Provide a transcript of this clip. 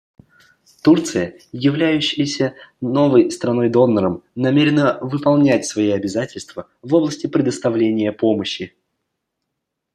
Турция, являющаяся новой страной-донором, намерена выполнять свои обязательства в области предоставления помощи.